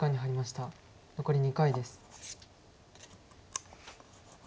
残り２回です。